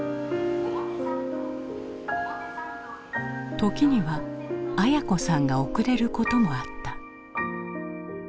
時には文子さんが遅れることもあった。